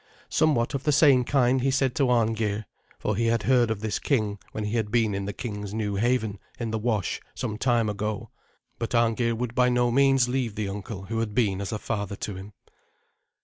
Somewhat of the same kind he said to Arngeir, for he had heard of this king when he had been in the king's new haven in the Wash some time ago. But Arngeir would by no means leave the uncle who had been as a father to him.